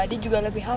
dia juga lebih hafal ya